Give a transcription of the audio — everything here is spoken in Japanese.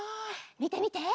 みてみて！